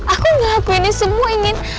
aku ngelaku ini semua ingin